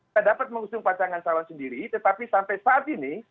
tak dapat mengusung pasangan calon sendiri tetapi sampai saat ini